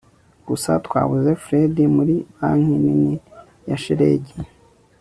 gusa twabuze fred muri banki nini ya shelegi